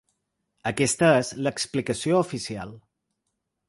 Aquesta és l’explicació oficial.